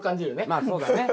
まあそうだね。